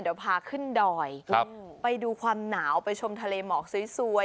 เดี๋ยวพาขึ้นดอยไปดูความหนาวไปชมทะเลหมอกสวย